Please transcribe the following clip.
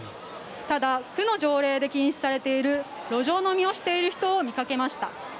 ただ区の条例で禁止されている路上飲みをしている人を見かけました。